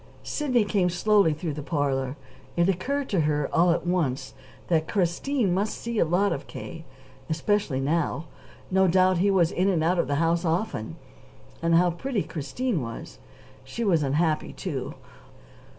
Sidney came slowly through the parlor. It occurred to her, all at once, that Christine must see a lot of K., especially now. No doubt he was in and out of the house often. And how pretty Christine was! She was unhappy, too.